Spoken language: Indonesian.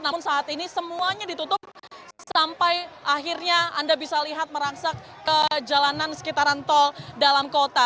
namun saat ini semuanya ditutup sampai akhirnya anda bisa lihat merangsak ke jalanan sekitaran tol dalam kota